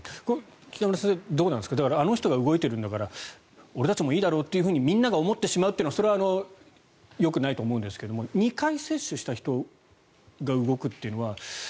北村先生、どうなんですかあの人が動いてるんだから俺たちもいいだろうとみんなが思ってしまうのはよくないと思うんですが２回接種した人が動くというのは。